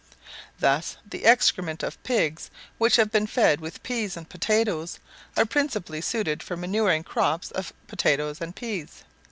Thus the excrements of pigs which we have fed with peas and potatoes are principally suited for manuring crops of potatoes and peas.